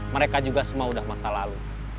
mereka juga semua sudah masa lalu